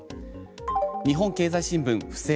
日本経済新聞、不正。